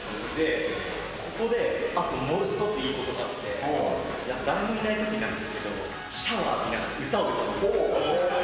ここであともう一ついいことがあって、誰もいないときなんですけど、シャワー浴びながら歌を歌う。